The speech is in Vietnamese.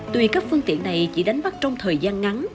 tuy các phương tiện này chỉ đánh bắt trong thời gian ngắn